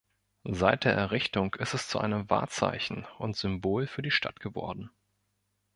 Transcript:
Seit der Errichtung ist es zu einem Wahrzeichen und Symbol für die Stadt geworden.